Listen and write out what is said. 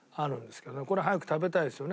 これ早く食べたいですよね。